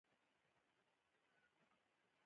کرایي یې لګولی او په پخولو یې ځلوبۍ پلورلې.